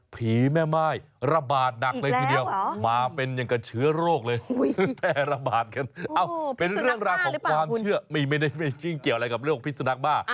แม่ม่ายระบาดหนักเลยทีเดียวมาเป็นอย่างกับเชื้อโรคเลยแพร่ระบาดกันเป็นเรื่องราวของความเชื่อไม่ได้ไม่ยิ่งเกี่ยวอะไรกับโรคพิษสุนักบ้า